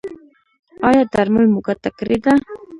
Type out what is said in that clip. ایا درمل مو ګټه کړې ده؟